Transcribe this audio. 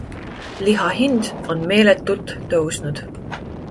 Liha hind on meeletult tõusnud.